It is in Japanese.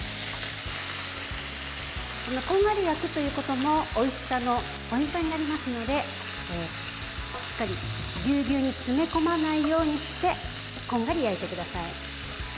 こんがり焼くということもおいしさのポイントになりますのでしっかり、ぎゅうぎゅうに詰め込まないようにしてこんがり焼いてください。